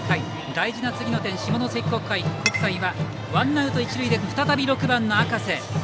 大事な次の点、下関国際はワンアウト一塁で再び６番、赤瀬。